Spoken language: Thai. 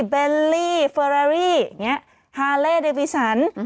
เบนลี่เฟอรารี่เนี้ยฮาเลร์เดฟิสันอืม